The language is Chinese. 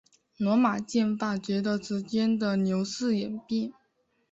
罗马宪法随着时间的流逝演变。